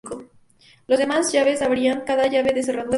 Las demás llaves abrían cada llave la cerradura de su color.